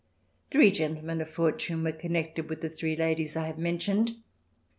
Three gentle men of fortune were connected with the three ladies I have mentioned.